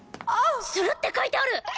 「する」って書いてある！